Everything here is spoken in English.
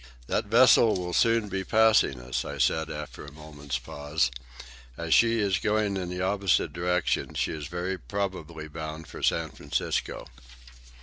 "That vessel will soon be passing us," I said, after a moment's pause. "As she is going in the opposite direction, she is very probably bound for San Francisco."